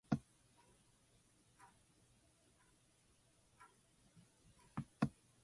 He is the father of India's tennis player Leander Paes.